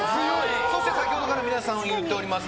そして先ほどから皆さん言っております